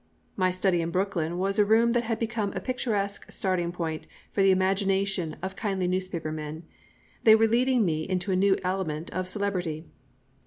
My study in Brooklyn was a room that had become a picturesque starting point for the imagination of kindly newspaper men. They were leading me into a new element of celebrity.